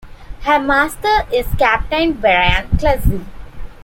Her master is Captain Brian Clesi.